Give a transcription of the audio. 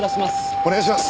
お願いします。